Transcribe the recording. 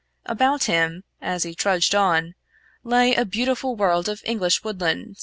About him, as he trudged on, lay a beautiful world of English woodland.